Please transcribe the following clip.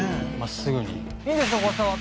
まっすぐにいいですか？